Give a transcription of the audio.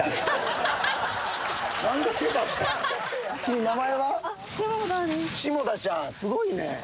すごいね。